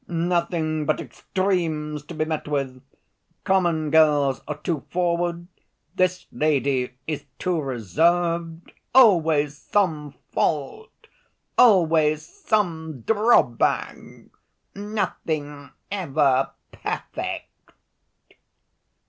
nothing but extremes to be met with! common girls are too forward, this lady is too reserved always some fault! always some drawback! nothing ever perfect!"